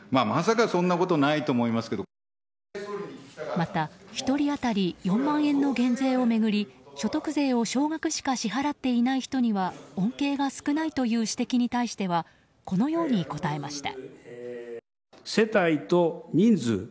また１人当たり４万円の減税を巡り所得税を小額しか支払っていない人には恩恵が少ないという指摘に対しては、このように答えました。